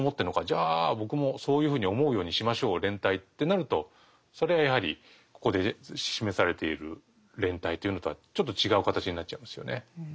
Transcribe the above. じゃあ僕もそういうふうに思うようにしましょう連帯」ってなるとそれはやはりここで示されている連帯というのとはちょっと違う形になっちゃいますよね。